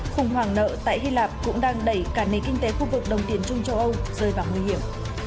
khủng hoảng nợ tại hy lạp cũng đang đẩy cả nền kinh tế khu vực đồng tiền trung châu âu rơi vào nguy hiểm